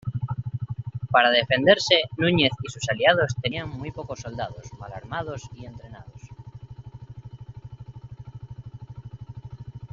Para defenderse Núñez y sus aliados tenían muy pocos soldados, mal armados y entrenados.